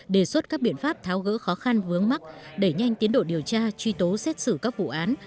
đề xuất các biện pháp tháo gỡ khó khăn vướng mắt đẩy nhanh tiến độ điều tra truy tố xét xử các vụ án